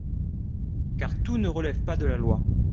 car tout ne relève pas de la loi.